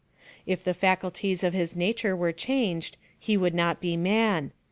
If the faculties of lis nature were changed, he would not be man.